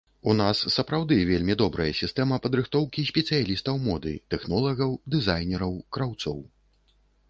У нас сапраўды вельмі добрая сістэма падрыхтоўкі спецыялістаў моды, тэхнолагаў, дызайнераў, краўцоў.